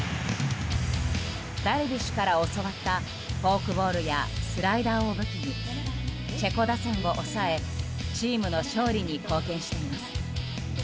ダルビッシュから教わったフォークボールやスライダーを武器にチェコ打線を抑えチームの勝利に貢献しています。